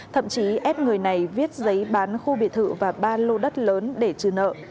thậm chí ép người này viết giấy bán khu biệt thự và ba lô đất lớn để trừ nợ